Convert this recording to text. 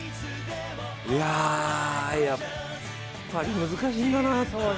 いや、やっぱり難しいんだな。